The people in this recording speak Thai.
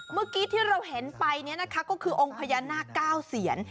เมื่อกี้ที่เราเห็นไปก็คือองค์พญานาค๙เสียน